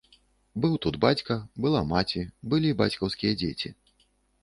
Быў тут бацька, была маці, былі бацькаўскія дзеці.